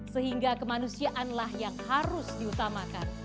sehingga kemanusiaanlah yang harus diutamakan